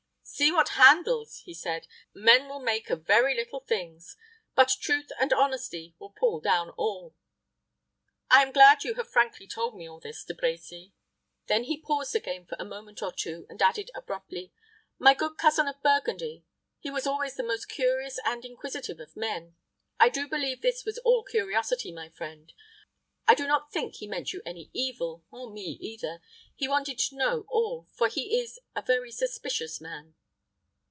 "See what handles," he said, "men will make of very little things! But truth and honesty will put down all. I am glad you have frankly told me all this, De Brecy." Then he paused again for a moment or two, and added, abruptly, "My good cousin of Burgundy he was always the most curious and inquisitive of men. I do believe this was all curiosity, my friend. I do not think he meant you any evil, or me either. He wanted to know all; for he is a very suspicious man."